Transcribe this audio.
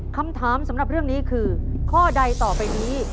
คำถามสำหรับเรื่องนี้คือข้อใดต่อไปนี้